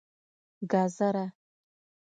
🥕 ګازره